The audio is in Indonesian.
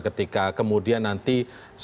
ketika kemudian nanti soal yang idealnya